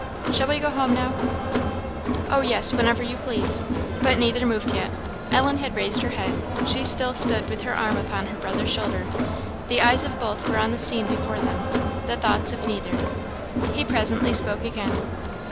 "Shall we go home now?" "Oh, yes whenever you please." But neither moved yet. Ellen had raised her head; she still stood with her arm upon her brother's shoulder; the eyes of both were on the scene before them the thoughts of neither. He presently spoke again.